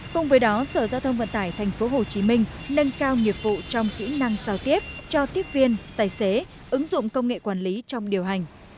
cùng với đó sở giao thông vận tải tp hcm nâng cao nghiệp vụ trong kỹ năng giao tiếp cho tiếp viên tài xế ứng dụng công nghệ quản lý trong điều hành